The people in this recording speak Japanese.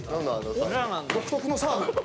独特のサーブ。